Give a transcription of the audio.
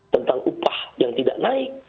tentang upah yang tidak naik